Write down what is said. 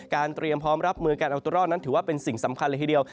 เตรียมพร้อมรับมือการอัลตุรอลนั้นถือว่าเป็นสิ่งสำคัญเลยทีเดียว